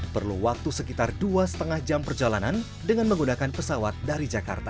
perlu waktu sekitar dua lima jam perjalanan dengan menggunakan pesawat dari jakarta